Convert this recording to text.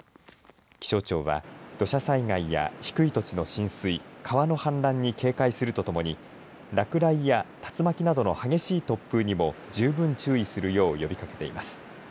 気象庁は土砂災害や低い土地の浸水川の氾濫に警戒するとともに落雷や竜巻などの激しい突風にも十分注意するよう呼びかけています。